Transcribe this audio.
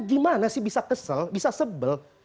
gimana sih bisa kesel bisa sebel